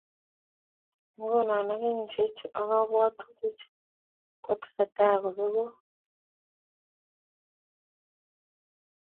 Nguno ak kenyisiek chu ak kabwatutikchu kotesetai kobeku